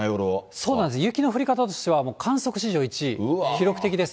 そうなんです、雪の降り方としては、観測史上１位、記録的です。